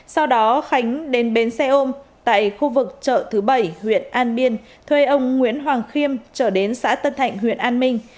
sau đó khánh đến bến xe ôm tại khu vực chợ thứ bảy huyện an biên thuê ông nguyễn hoàng khiêm trở đến xã tân thạnh huyện an minh